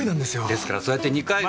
ですからそうやって２回も。